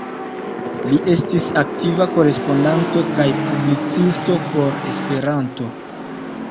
Li estis aktiva korespondanto kaj publicisto por Esperanto.